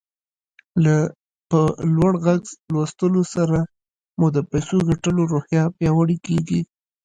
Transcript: له په لوړ غږ لوستلو سره مو د پيسو ګټلو روحيه پياوړې کېږي.